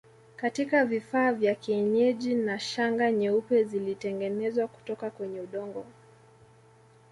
Katika vifaa vya kienyeji na Shanga nyeupe zilitengenezwa kutoka kwenye udongo